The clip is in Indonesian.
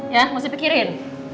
ya masih pikirin